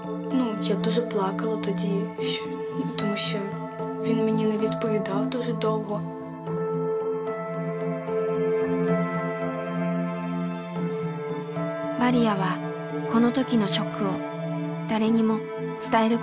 マリヤはこの時のショックを誰にも伝えることができませんでした。